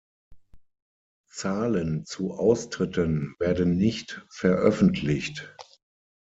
Zahlen zu Austritten werden nicht veröffentlicht.